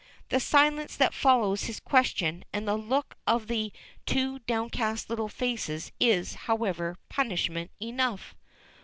The silence that follows his question and the look of the two downcast little faces is, however, punishment enough.